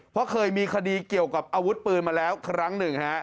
เพราะเคยมีคดีเกี่ยวกับอาวุธปืนมาแล้วครั้งหนึ่งฮะ